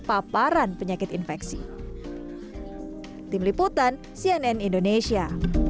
paparan penyakit infeksi tim liputan cnn indonesia